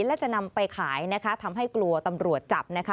และจะนำไปขายนะคะทำให้กลัวตำรวจจับนะคะ